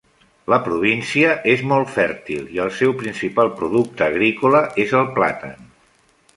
La província és molt fèrtil i el seu principal producte agrícola és el plàtan.